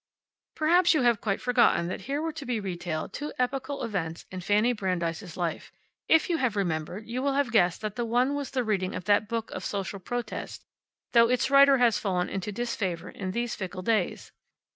Perhaps you have quite forgotten that here were to be retailed two epochal events in Fanny Brandeis's life. If you have remembered, you will have guessed that the one was the reading of that book of social protest, though its writer has fallen into disfavor in these fickle days.